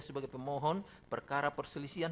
sebagai pemohon perkara perselisihan